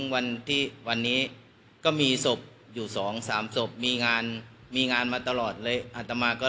วันที่วันนี้ก็มีศพอยู่๒๓ศพมีงานมีงานมาตลอดเลยอัตมาก็